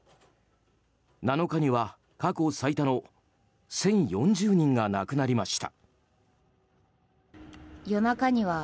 ７日には、過去最多の１０４０人が亡くなりました。